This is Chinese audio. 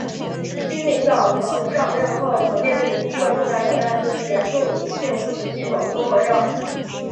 新领导层上任后所面对的第一个重大挑战就是严重急性呼吸系统综合症。